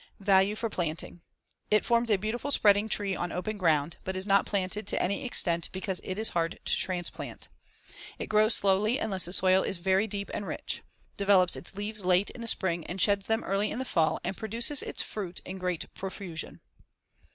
Value for planting: It forms a beautiful spreading tree on open ground, but is not planted to any extent because it is hard to transplant. It grows slowly unless the soil is very deep and rich, develops its leaves late in the spring and sheds them early in the fall and produces its fruit in great profusion.